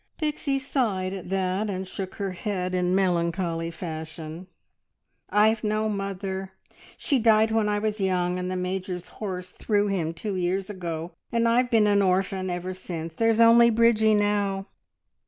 Pixie sighed at that, and shook her head in melancholy fashion. "I've no mother. She died when I was young, and the Major's horse threw him two years ago, and I've been an orphan ever since. There's only Bridgie now!"